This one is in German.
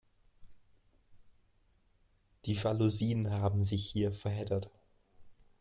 Die Jalousien haben sich hier verheddert.